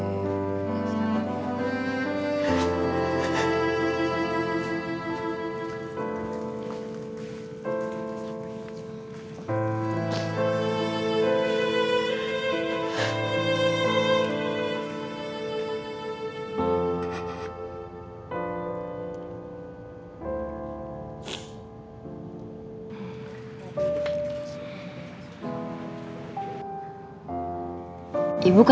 ya allah ya tuhan